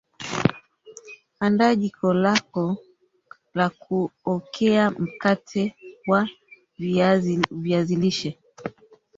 andaa jiko lako la kuokea mkate wa viazi lishe